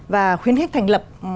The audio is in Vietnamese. và khuyến khích thành lập